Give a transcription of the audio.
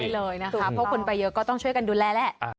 เลยนะคะเพราะคนไปเยอะก็ต้องช่วยกันดูแลแหละ